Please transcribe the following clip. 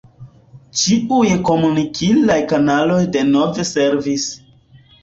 Ĉiuj komunikilaj kanaloj denove servis.